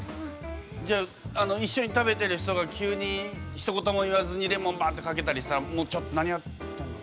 じゃあ一緒に食べてる人が急にひと言も言わずにレモンばってかけたりしたらもうちょっと何やってんの。